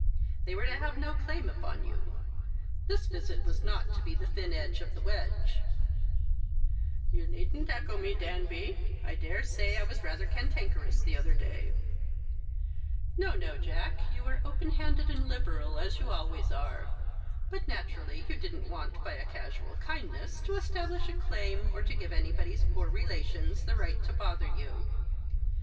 They were to have no claim upon you. This visit was not to be the thin end of the wedge." 116 The Christmas Hirelings. " You needn't echo me, Danby. I dare say I was rather cantankerous the other day." " No, no. Jack, you were open handed and liberal, as you always are ; but naturally you didn't want, by a casual kindness, to establish a claim, or to give anybody's poor relations the right to bother you.